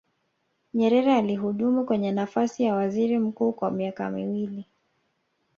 nyerere alihudumu kwenye nafasi ya waziri mkuu kwa miaka miwili